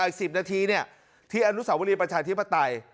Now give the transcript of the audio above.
อีก๑๐นาทีที่อนุสาวรีประชาธิปไตย